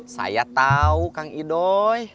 saya tau kang idoi